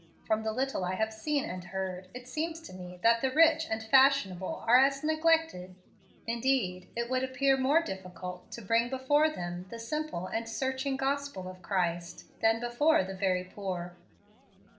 From the little I have seen and heard, it seems to me that the rich and fashionable are as neglected indeed it would appear more difficult to bring before them the simple and searching gospel of Christ, than before the very poor."